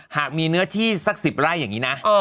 หากมีเนื้อที่สัก๑๐ไร่อย่างนี้นะ